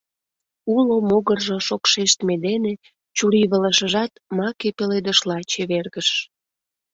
Уло могыржо шокшештме дене чурийвылышыжат маке пеледышла чевергыш.